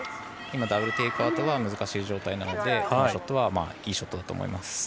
ダブルテイクアウトは難しい状態なのでこのショットはいいショットだと思います。